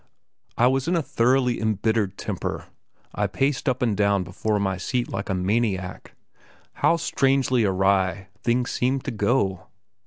I was in a thoroughly embittered temper; I paced up and down before my seat like a maniac. How strangely awry things seemed to go!